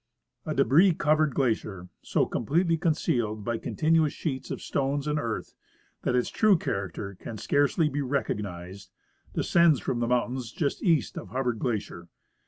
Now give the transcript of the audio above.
A debris covered glacier, so completely concealed by continu ous sheets of stones and earth that its true character can scarcely be recognized, descends from the mountains just east of Hubbard glacier.